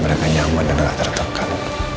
mereka nyaman dan gak tertekan